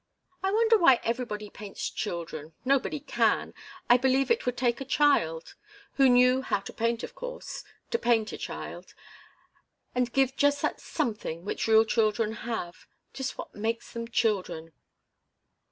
I wonder why everybody paints children? Nobody can. I believe it would take a child who knew how to paint, of course, to paint a child, and give just that something which real children have just what makes them children."